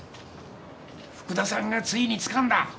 福田さんがついにつかんだ！